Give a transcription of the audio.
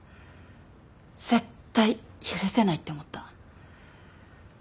絶対許せないって思った。